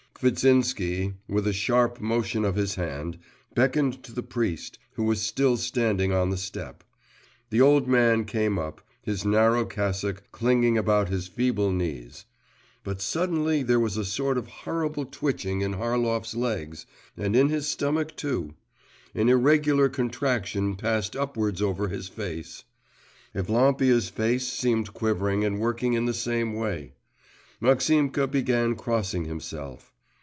…' Kvitsinsky, with a sharp motion of his hand, beckoned to the priest, who was still standing on the step.… The old man came up, his narrow cassock clinging about his feeble knees. But suddenly there was a sort of horrible twitching in Harlov's legs and in his stomach too; an irregular contraction passed upwards over his face. Evlampia's face seemed quivering and working in the same way. Maximka began crossing himself.